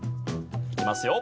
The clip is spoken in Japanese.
いきますよ。